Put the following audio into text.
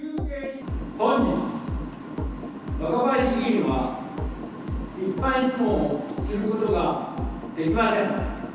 本日、若林議員は、一般質問をすることはできません。